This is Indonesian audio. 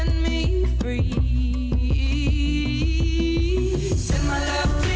sudah lama ya